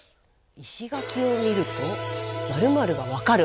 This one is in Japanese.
「石垣を見ると○○がわかる！？」。